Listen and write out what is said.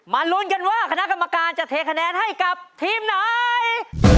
ลุ้นกันว่าคณะกรรมการจะเทคะแนนให้กับทีมไหน